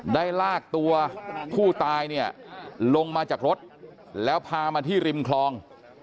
ได้ลากตัวผู้ตายเนี่ยลงมาจากรถแล้วพามาที่ริมคลอง